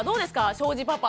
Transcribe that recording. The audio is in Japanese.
庄司パパ。